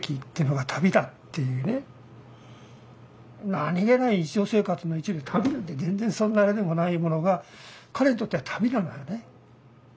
何気ない日常生活の一部旅なんて全然そんなあれでもないものが彼にとっては旅なのよね。